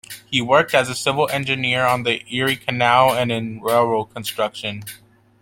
He worked as a civil engineer on the Erie Canal and in railroad construction.